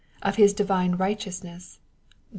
of Hia divine righteousness, (Jer.